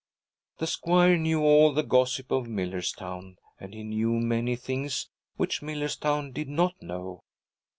The squire knew all the gossip of Millerstown, and he knew many things which Millerstown did not know.